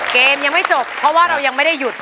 เกมยังไม่จบเพราะว่าเรายังไม่ได้หยุด